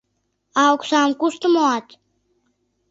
А оксам кушто муат?